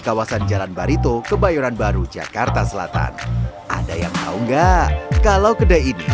kawasan jalan barito kebayoran baru jakarta selatan ada yang tahu enggak kalau kedai ini